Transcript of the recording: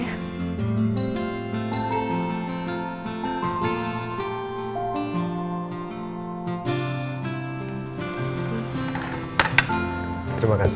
aku sudah terima kasih